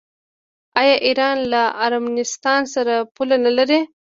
آیا ایران له ارمنستان سره پوله نلري؟